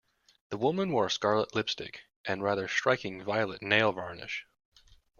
The woman wore scarlet lipstick and rather striking violet nail varnish